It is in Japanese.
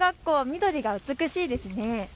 緑が美しいですね。